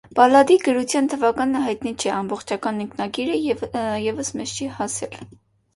Բալլադի գրության թվականը հայտնի չէ, ամբողջական ինքնագիրը ևս մեզ չի հասել։